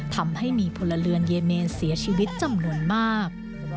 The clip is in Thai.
ทำให้มีพลเรือนเยเมนเสียชีวิตจำนวนมาก